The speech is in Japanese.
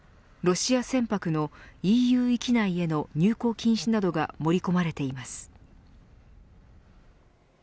ロシア船舶のＥＵ域内への入港禁止などが盛り込まれています。